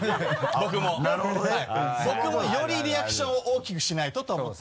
僕もよりリアクションを大きくしないとと思って。